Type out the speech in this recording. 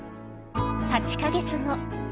８か月後。